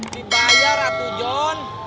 dibayar atuh john